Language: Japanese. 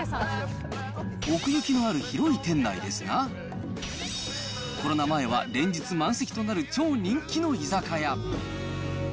奥行きのある広い店内ですが、コロナ前は連日満席となる超人気の居酒屋。